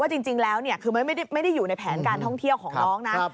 จริงแล้วคือไม่ได้อยู่ในแผนการท่องเที่ยวของน้องนะ